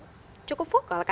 saya juga memang tidak percaya